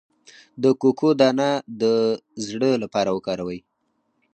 د کوکو دانه د زړه لپاره وکاروئ